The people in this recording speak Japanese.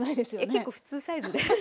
結構普通サイズで。